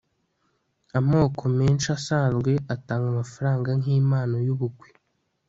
amoko menshi asanzwe atanga amafaranga nkimpano yubukwe